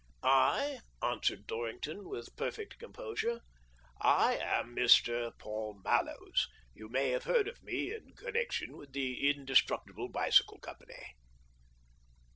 " I," answered Dorrington with perfect com posure, " I am Mr. Paul Mallows — you may have heard of me in connection with the ' Indestructible Bicycle Company.'